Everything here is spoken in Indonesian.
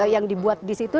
yang dibuat di situ